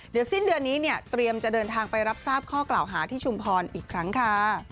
เดี๋ยวสิ้นเดือนนี้เนี่ยเตรียมจะเดินทางไปรับทราบข้อกล่าวหาที่ชุมพรอีกครั้งค่ะ